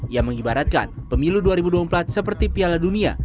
ia mengibaratkan pemilu dua ribu dua puluh empat seperti piala dunia